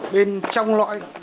bên trong lõi